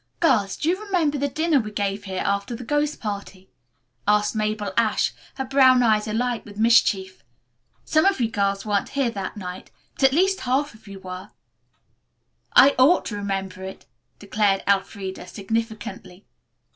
"Girls, do you remember the dinner we gave here after the ghost party?" asked Mabel Ashe, her brown eyes alight with mischief. "Some of you girls weren't here that night, but at least half of you were." "I ought to remember it," declared Elfreda significantly.